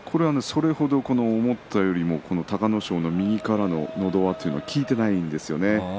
思ったよりも隆の勝の右からののど輪が効いていないんですよね。